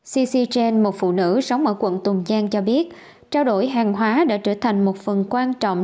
cc trên một phụ nữ sống ở quận tùng giang cho biết trao đổi hàng hóa đã trở thành một phần quan trọng